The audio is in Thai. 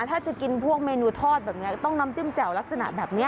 ถ้าจะกินพวกเมนูทอดแบบนี้ก็ต้องน้ำจิ้มแจ่วลักษณะแบบนี้